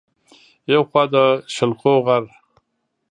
يو خوا د شلخو غر